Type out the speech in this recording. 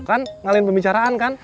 kan ngalain pembicaraan kan